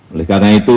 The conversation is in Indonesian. oleh karena itu